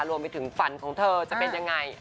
รวมไปถึงฝันของเธอจะเป็นยังไง